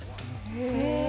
へえ。